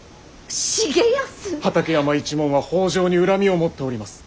畠山一門は北条に恨みを持っております。